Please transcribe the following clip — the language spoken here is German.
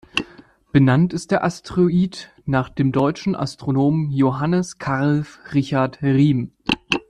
Benannt ist der Asteroid nach dem deutschen Astronomen "Johannes Karl Richard Riem".